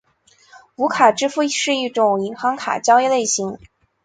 无卡支付是一种银行卡交易类型。